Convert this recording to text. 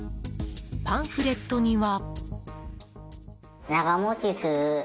パンフレットには。